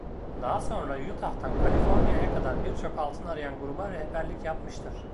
Daha sonra Utah'tan Kaliforniya'ya kadar birçok altın arayan gruba rehberlik yapmıştır.